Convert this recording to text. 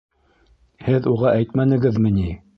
Һеҙ уға әйтмәнегеҙме ни?